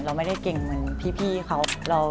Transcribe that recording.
เราไม่ได้เก่งเหมือนพี่เขา